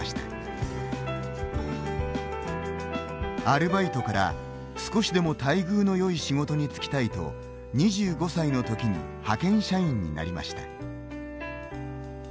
アルバイトから少しでも待遇のよい仕事に就きたいと２５歳の時に派遣社員になりました。